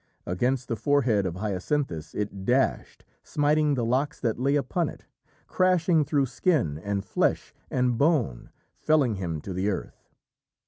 Against the forehead of Hyacinthus it dashed, smiting the locks that lay upon it, crashing through skin and flesh and bone, felling him to the earth.